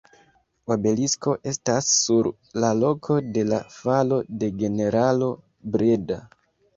Obelisko estas sur la loko de la falo de generalo Breda.